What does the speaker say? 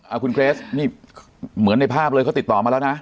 เอาคุณเกรสนี่เหมือนในภาพเลยเขาติดต่อมาแล้วนะ